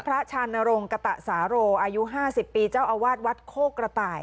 ชานรงค์กะตะสาโรอายุ๕๐ปีเจ้าอาวาสวัดโคกระต่าย